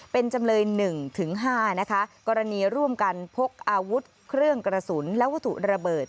เป็นจำเลย๑๕นะคะกรณีร่วมกันพกอาวุธเครื่องกระสุนและวัตถุระเบิด